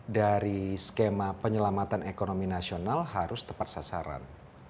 dari skema penyelamatan ekonomi nasional harus tepat sasaran